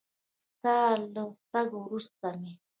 ستا له تګ وروسته مې